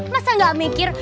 masa gak mikir